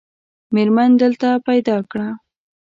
مېرمن دلته پیدا کړه.